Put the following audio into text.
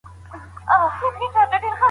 هوښيار لږ خو سم انتخاب کوي